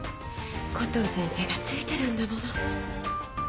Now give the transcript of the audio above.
コトー先生が付いてるんだもの。